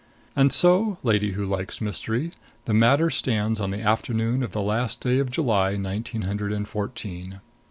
And so, lady who likes mystery, the matter stands on the afternoon of the last day of July, nineteen hundred and fourteen.